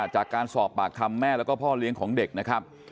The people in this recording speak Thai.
จากการสอบปากคำแม่แล้วก็พ่อเลี้ยงของเด็กนะครับ